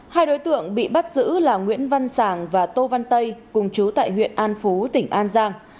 hai đối tượng bị bắt giữ là nguyễn văn sàng và tô văn tây cùng chú tại huyện an phú tỉnh an giang